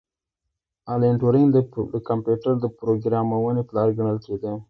الن ټورینګ د کمپیوټر د پروګرامونې پلار ګڼل کیده